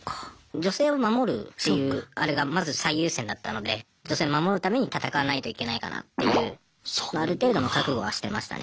女性を守るっていうあれがまず最優先だったので女性を守るために戦わないといけないかなっていうある程度の覚悟はしてましたね。